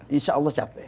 insya allah capai